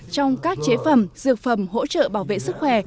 trong các chế phẩm dược phẩm hỗ trợ bảo vệ sức khỏe